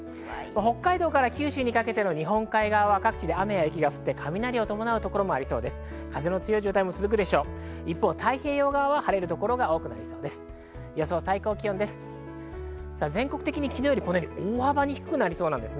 北海道から九州にかけての日本海側は各地で雨や雪が降って雷を伴う所がありそうです。